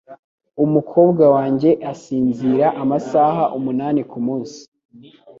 Umukobwa wanjye asinzira amasaha umunani kumunsi.